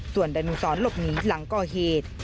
ส่วนดานุสรหลบหนีหลังก่อเหตุ